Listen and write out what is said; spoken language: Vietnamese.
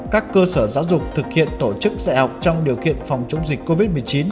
các cơ sở giáo dục thực hiện tổ chức dạy học trong điều kiện phòng chống dịch covid một mươi chín